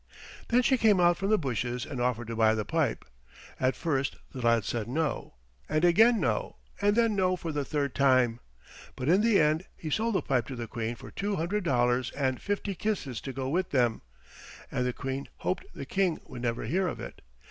Then she came out from the bushes and offered to buy the pipe. At first the lad said no, and again no, and then no for the third time, but in the end he sold the pipe to the Queen for two hundred dollars and fifty kisses to go with them, and the Queen hoped the King would never hear of it.